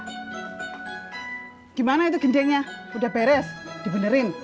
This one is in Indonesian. gimana pak gimana itu gendengnya udah beres dibenerin